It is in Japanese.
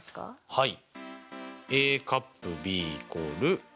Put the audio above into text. はい。